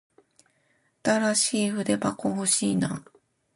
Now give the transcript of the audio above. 新しい筆箱欲しいな。